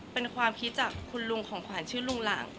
เป็นความคิดจากคุณลุงของขวัญชื่อลุงหลัง